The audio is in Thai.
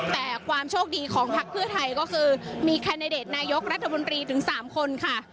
แต่ความโชคดีของพักเพื่อไทยก็คือมีแคนดิเดตนายกรัฐมนตรีถึง๓คนค่ะ